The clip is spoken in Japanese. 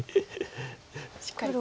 しっかりと。